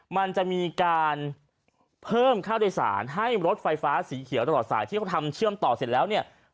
มันจะมีการเพิ่มค่าโดยสารให้รถไฟฟ้าสีเขียวตลอดสายที่เขาทำเชื่อมต่อเสร็จแล้วเนี่ย